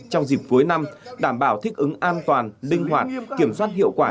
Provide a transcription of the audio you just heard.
trong dịp cuối năm đảm bảo thích ứng an toàn linh hoạt kiểm soát hiệu quả